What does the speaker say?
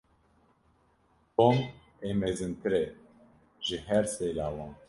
Tom ê mezintir e ji her sê lawan.